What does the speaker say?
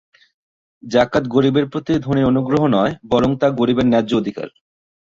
জাকাত গরিবের প্রতি ধনীর অনুগ্রহ নয়, বরং তা গরিবের ন্যায্য অধিকার।